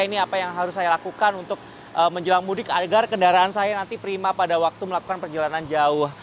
ini apa yang harus saya lakukan untuk menjelang mudik agar kendaraan saya nanti prima pada waktu melakukan perjalanan jauh